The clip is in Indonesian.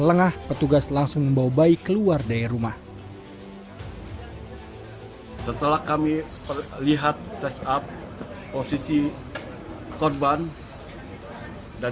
lengah petugas langsung membawa bayi keluar dari rumah setelah kami perlihat ses up posisi korban dan